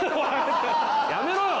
やめろよ！